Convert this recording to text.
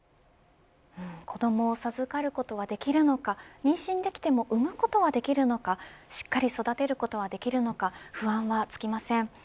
子ども授かることはできるのか妊娠できても産むことはできるのかしっかり育てることはできるのか不安はつきません。